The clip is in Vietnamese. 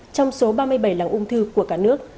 trong số ba mươi bảy làng ung thư của cả nước